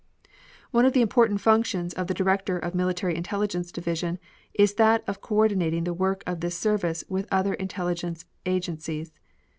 One of the important functions of the Director of the Military Intelligence Division is that of coordinating the work of this service with other intelligence agencies.